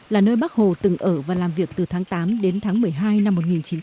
là nơi bác hồ từng ở và làm việc từ tháng tám đến tháng một mươi hai năm một nghìn chín trăm bảy mươi